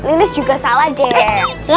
lilis juga salah deb